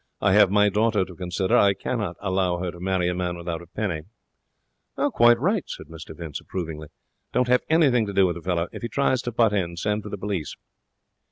I have my daughter to consider. I cannot allow her to marry a man without a penny.' 'Quite right,' said Mr Vince, approvingly. 'Don't have anything to do with the fellow. If he tries to butt in, send for the police.'